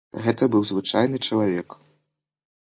Гэта быў звычайны чалавек.